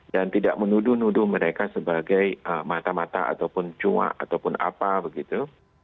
dan tidak menuduh nuduh mereka sebagai mata mata ataupun cua ataupun apa begitu